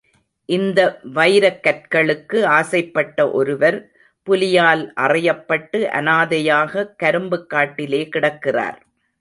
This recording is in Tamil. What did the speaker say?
இந்த வைரக் கற்களுக்கு ஆசைப்பட்ட ஒருவர், புலியால் அறையப்பட்டு அநாதையாக கரும்புக் காட்டிலே கிடக்கிறார்.